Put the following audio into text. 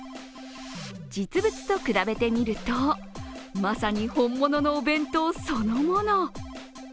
実物と比べてみると、まさに本物のお弁当そのもの。